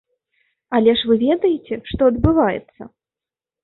Але ж вы ведаеце, што адбываецца!